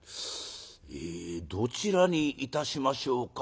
「えどちらにいたしましょうか。